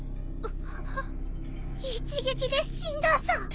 あ一撃で死んださ。